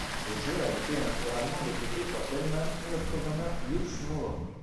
Le jeu a été intégralement développé par Delman et le programmeur Rich Moore.